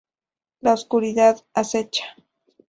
La oscuridad acecha.